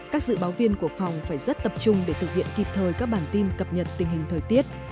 các dự báo viên của phòng phải rất tập trung để thực hiện kịp thời các bản tin cập nhật tình hình thời tiết